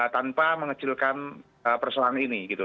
tanpa mengecilkan persoalan ini gitu